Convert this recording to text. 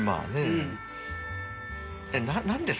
うん。